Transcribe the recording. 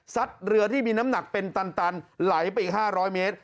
เรือที่มีน้ำหนักเป็นตันไหลไปอีก๕๐๐เมตร